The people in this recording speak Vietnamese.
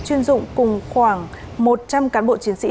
chuyên dụng cùng khoảng một trăm linh cán bộ chiến sĩ